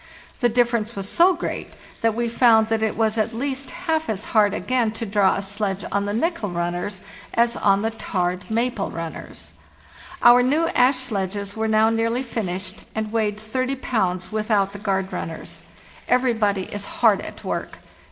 The difference was so great that we found that it was at least half as hard again to draw a sledge on the nickel runners as on the tarred maple runners. Our new ash sledges were now nearly finished and weighed 30 pounds without the guard runners. " Every i —=6 (oe) bo FARTHEST NORTH body is hard at work.